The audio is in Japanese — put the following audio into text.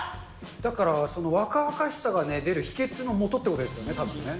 だから、若々しさが出る秘けつのもとってことですよね、たぶんね。